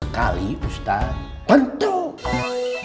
sekali ustadz bentuk